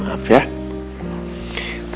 tadi aku berantem